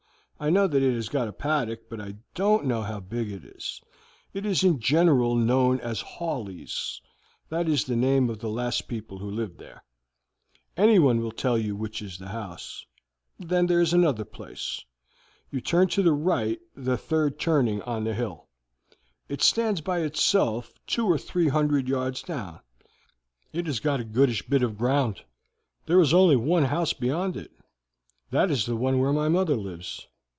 I know that it has got a paddock, but I don't know how big it is; it is in general known as Hawleys that is the name of the last people who lived there. Anyone will tell you which is the house. Then there is another place. You turn to the right the third turning on the hill; it stands by itself two or three hundred yards down; it has got a goodish bit of ground. There is only one house beyond it; that is the one where my mother lives.